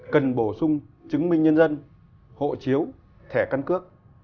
cần bổ sung chứng minh nhân dân hộ chiếu thẻ căn cước